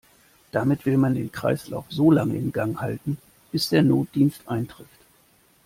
Damit will man den Kreislauf solange in Gang halten, bis der Notdienst eintrifft.